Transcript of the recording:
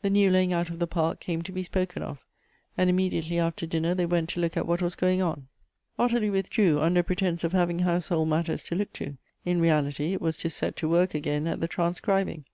The new laying out of the park came to be spoken of i and immediately after dinner they went to look at what was going on. Ottilie withdrew, under pretence of having household matters to look to ; in reality, it was to set to work again at the transcribing.